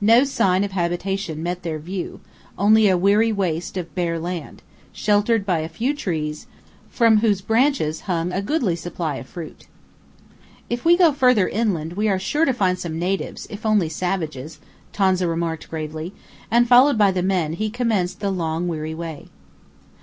No sign of habitation met their view; only a weary waste of bare land, sheltered by a few trees, from whose branches hung a goodly supply of fruit. "If we go farther inland, we are sure to find some natives, if only savages," Tonza remarked gravely; and followed by the men, he commenced the long, weary way.